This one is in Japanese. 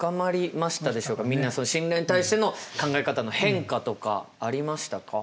みんな信頼に対しての考え方の変化とかありましたか？